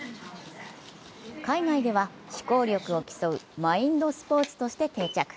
海外では思考力を競うマインドスポーツとして定着。